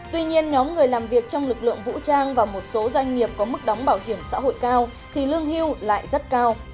tuy nhiên nhóm người làm việc trong lực lượng vũ trang và một số doanh nghiệp có mức đóng bảo hiểm xã hội cao thì lương hưu lại rất cao